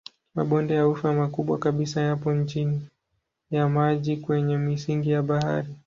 Mabonde ya ufa makubwa kabisa yapo chini ya maji kwenye misingi ya bahari.